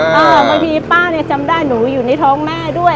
บางทีป้าเนี่ยจำได้หนูอยู่ในท้องแม่ด้วย